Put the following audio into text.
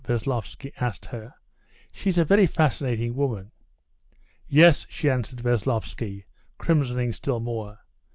Veslovsky asked her. "She's a very fascinating woman." "Yes," she answered Veslovsky, crimsoning still more.